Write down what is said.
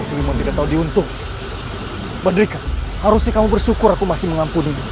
jangan lupa like share dan subscribe ya